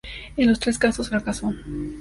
En los tres casos fracasó.